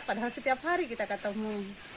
padahal setiap hari kita ketemu